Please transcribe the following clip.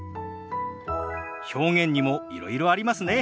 表現にもいろいろありますね。